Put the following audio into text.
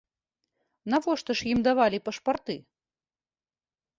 Навошта ж ім давалі пашпарты?